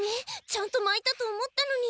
ちゃんとまいたと思ったのに。